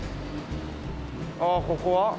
ああここは？